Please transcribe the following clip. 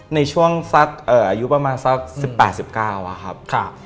ในช่วงสักอายุประมาณสัก๑๘๑๙อะครับ